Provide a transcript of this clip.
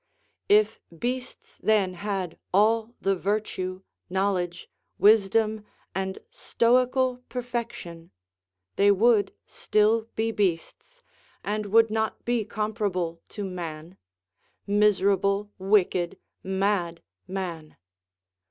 If beasts then had all the virtue, knowledge, wisdom, and stoical perfection, they would still be beasts, and would not be comparable to man, miserable, wicked, mad, man.